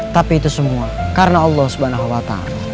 tapi itu semua karena allah swt